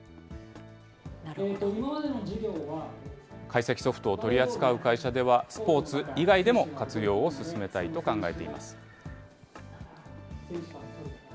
解析ソフトを取り扱う会社では、スポーツ以外でも活用を進めたいと考えています。